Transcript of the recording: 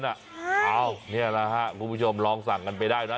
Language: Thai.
เอานี่แหละครับคุณผู้ชมลองสั่งกันไปได้นะ